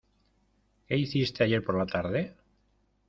¿Qué hiciste ayer por la tarde?